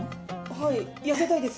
はい痩せたいです。